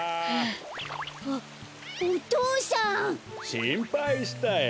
しんぱいしたよ。